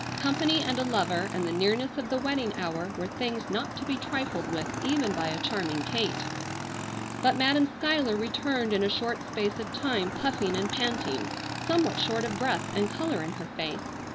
Company and a lover and the nearness of the wedding hour were things not to be trifled with even by a charming Kate. But Madam Schuyler returned in a short space of time, puffing and panting, somewhat short of breath, and color in her face.